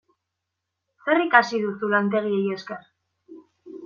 Zer ikasi duzu lantegiei esker?